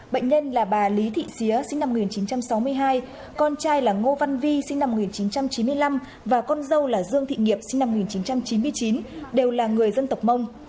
bệnh nhân là bà lý thị xía sinh năm một nghìn chín trăm sáu mươi hai con trai là ngô văn vi sinh năm một nghìn chín trăm chín mươi năm và con dâu là dương thị nghiệp sinh năm một nghìn chín trăm chín mươi chín đều là người dân tộc mông